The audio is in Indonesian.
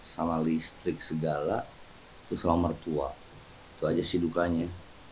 sama listrik segala terus sama mertua itu aja sih dukanya